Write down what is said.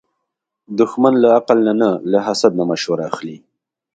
دښمن له عقل نه نه، له حسد نه مشوره اخلي